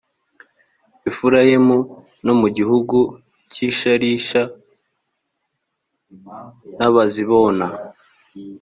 efurayimu no mu gihugu cy’i shalisha ntibazibona